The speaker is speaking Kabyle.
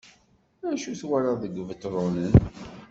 Acu twalaḍ deg Ibetṛunen?